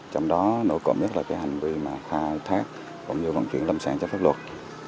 trong đó nổi cộng nhất là cái hành vi mà khai thác cũng như vận chuyển lâm sản trái pháp luật